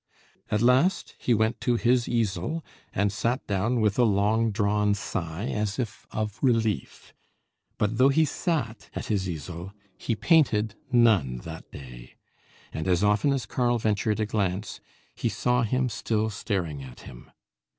At last he went to his easel, and sat down with a long drawn sigh as if of relief. But though he sat at his easel, he painted none that day; and as often as Karl ventured a glance, he saw him still staring at him.